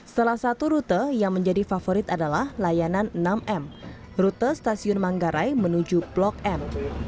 salah satu rute yang menjadi favorit adalah layanan enam m rute stasiun manggarai menuju blok m